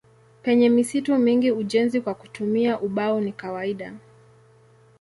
Penye misitu mingi ujenzi kwa kutumia ubao ni kawaida.